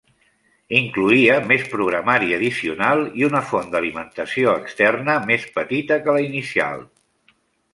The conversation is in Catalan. Incloïa més programari addicional i una font d'alimentació externa més petita que la inicial.